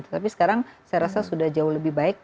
tapi sekarang saya rasa sudah jauh lebih baik